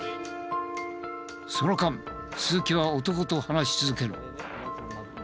その間鈴木は男と話し続ける。